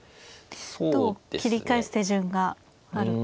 どう切り返す手順があるか。